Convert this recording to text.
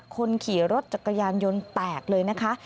คนขี่รถจักรยานยนต์แตกเลยนะคะ